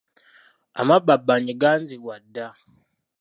Amabbabbanyi ganzigwa dda.